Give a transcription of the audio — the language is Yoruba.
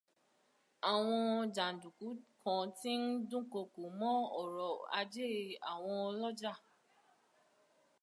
Àwọn jàǹdùkú kan ti ń dúnkookò mọ ọrọ̀ ajé àwọn ọlọ́jà.